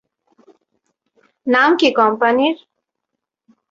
নাম কী কোম্পানির?